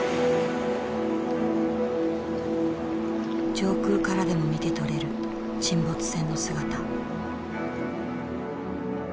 上空からでも見て取れる沈没船の姿。